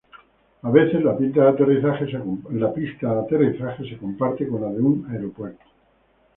A veces la pista de aterrizaje se comparte con la de un aeropuerto.